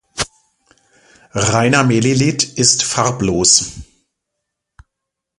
Reiner Melilith ist farblos.